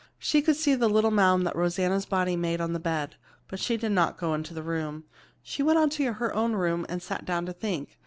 She could see the little mound that Rosanna's body made on the bed, but she did not go into the room. She went on to her own room and sat down to think.